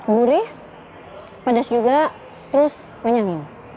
gurih pedas juga terus kenyangin